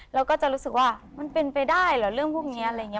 เราก็จะรู้สึกว่ามันเป็นไปได้เหรอเรื่องพวกนี้อะไรอย่างนี้